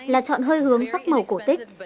là chọn hơi hướng sắc màu cổ tích